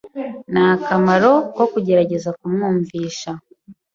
Nta kamaro ko kugerageza kumwumvisha.